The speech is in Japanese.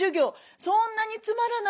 そんなにつまらない？」。